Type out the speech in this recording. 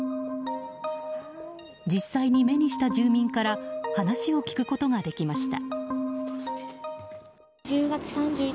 実際に目にした住民から話を聞くことができました。